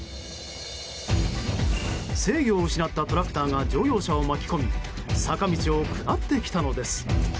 制御を失ったトラクターが乗用車を巻き込み坂道を下ってきたのです。